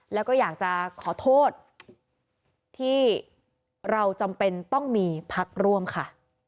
แล้วก็อยากจะขอโทษที่เราจำเป็นต้องมีพักร่วมค่ะ